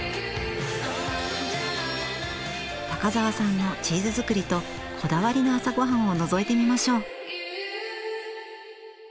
高沢さんのチーズ作りとこだわりの朝ごはんをのぞいてみましょう。